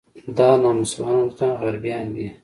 دا نامسلمانان عمدتاً غربیان دي.